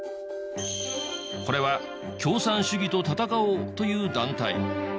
これは共産主義と戦おうという団体。